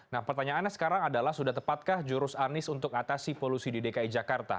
nah pertanyaannya sekarang adalah sudah tepatkah jurus anies untuk atasi polusi di dki jakarta